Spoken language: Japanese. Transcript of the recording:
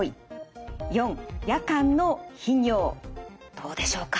どうでしょうか？